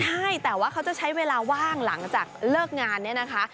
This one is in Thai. ใช่แต่ว่าเขาจะใช้เวลาว่างหลังจากเลิกงานเนี่ยนะคะ